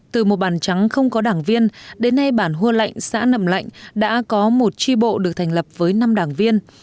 từ một bản trắng không có đảng viên đến nay bản hua lạnh xã nầm lạnh đã có một tri bộ được thành lập với năm đảng viên